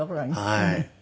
はい。